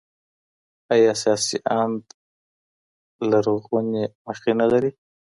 ايا سياسي آند لرغونې مخېنه لري؟